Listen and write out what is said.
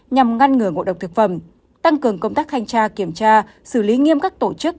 nhằm ngăn ngừa ngộ độc thực phẩm tăng cường công tác thanh tra kiểm tra xử lý nghiêm các tổ chức